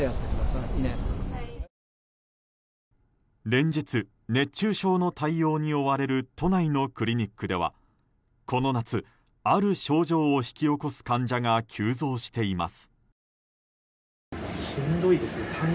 連日熱中症の対応に追われる都内のクリニックではこの夏、ある症状を引き起こす患者が急増しています。